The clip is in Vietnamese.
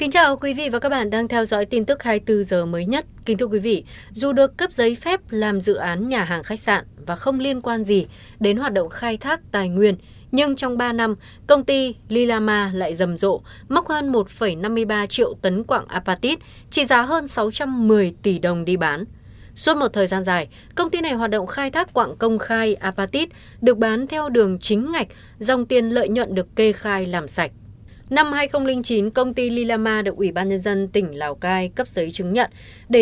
chào mừng quý vị đến với bộ phim hãy nhớ like share và đăng ký kênh của chúng mình nhé